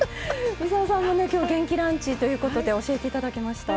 操さんも今日、元気ランチということで教えていただきました。